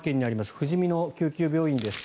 ふじみの救急病院です。